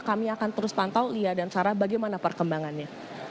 kami akan terus pantau lia dan sarah bagaimana perkembangannya